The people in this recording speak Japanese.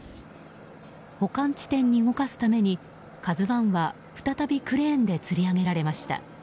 保管地点に動かすために「ＫＡＺＵ１」は再びクレーンでつり上げられました。